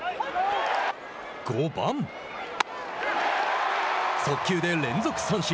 ５番速球で連続三振。